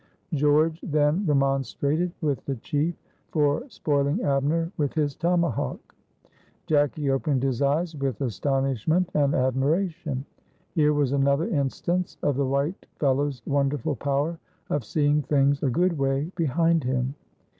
George then remonstrated with the chief for spoiling Abner with his tomahawk. Jacky opened his eyes with astonishment and admiration. Here was another instance of the white fellow's wonderful power of seeing things a good way behind him.